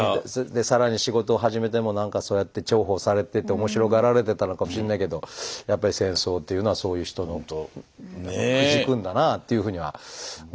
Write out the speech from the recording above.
更に仕事を始めても何かそうやって重宝されてて面白がられてたのかもしんないけどやっぱり戦争というのはそういう人のことをくじくんだなあというふうには思いますかね。